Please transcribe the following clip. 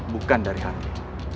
bukan dari hati